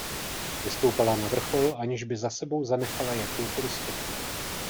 Vystoupala na vrchol, aniž by za sebou zanechala jakoukoli stopu.